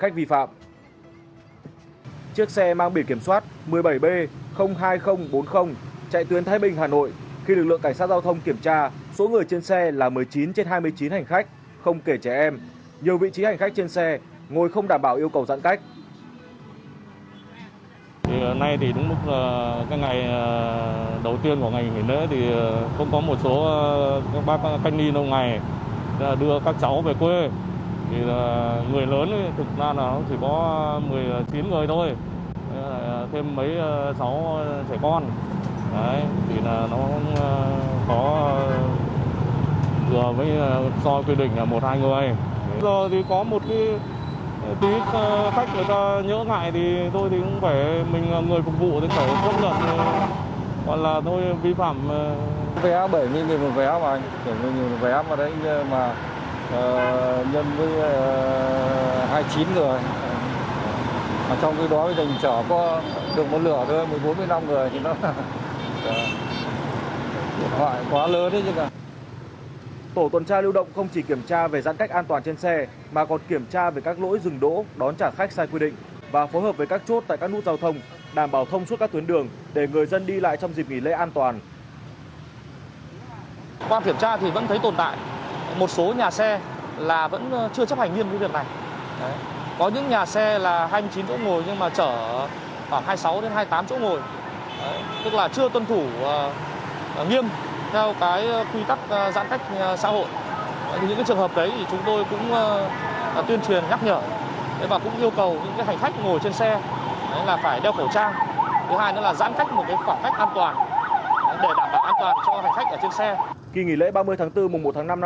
tổ tuần tra lưu động không chỉ kiểm tra về giãn cách an toàn trên xe mà còn kiểm tra về các lỗi dừng đỗ đón trả khách sai quy định và phối hợp với các chốt tại các nút giao thông đảm bảo thông suốt các tuyến đường để người dân đi lại trong dịp nghỉ lễ an toàn